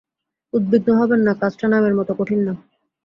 উদ্বিগ্ন হবেন না, কাজটা নামের মতো কঠিন না।